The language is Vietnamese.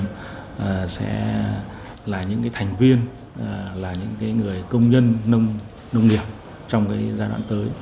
chúng tôi sẽ là những thành viên là những người công nhân nông nghiệp trong giai đoạn tới